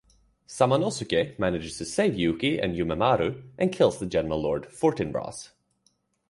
Samanosuke manages to save Yuki and Yumemaru and kills the Genma Lord, Fortinbras.